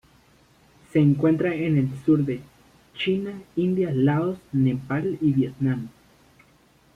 Se encuentra en el sur de China, India, Laos, Nepal y Vietnam.